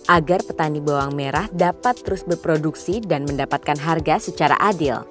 agar petani bawang merah dapat terus berproduksi dan mendapatkan harga secara adil